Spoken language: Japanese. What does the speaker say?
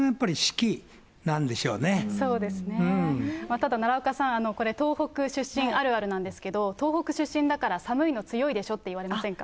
ただ奈良岡さん、これ、東北出身あるあるなんですけれども、東北出身だから寒いの強いでしょって言われませんか？